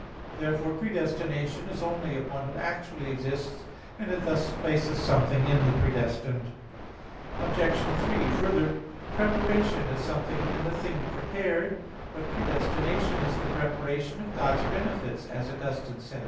Therefore predestination is only of one who actually exists; and it thus places something in the predestined. Obj. 3: Further, preparation is something in the thing prepared. But predestination is the preparation of God's benefits, as Augustine says (De Praed.